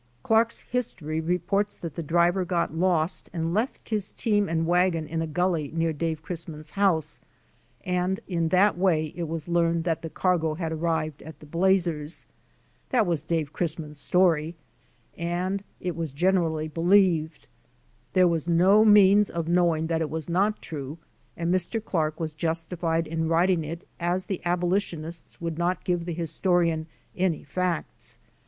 Clark's History reports that the driver got lost and left his team and wagon in a gully near Dave Chrisman's house, and in that way it was learned that the cargo had arrived at the Blazers. That was Dave Chrisman's story, and it was generally believed. There was no means of knowing that it was not true and Mr. Clark was justified in writing it as the abolitionists would not give the historian any facts.